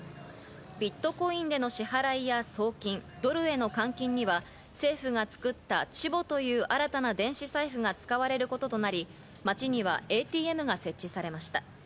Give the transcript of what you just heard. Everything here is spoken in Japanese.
ビットコインでの支払いや送金、ドルへの換金には政府が作ったＣＨＩＶＯという新たな電子財布が使われることとなり、街にはＡＴＭが設置されました。